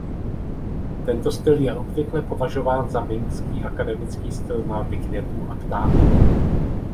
Tento styl je obvykle považován za mingský akademický styl malby květů a ptáků.